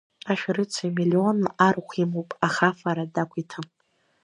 Ашәарыцаҩ миллионла арахә имоуп, аха афара дақәиҭым.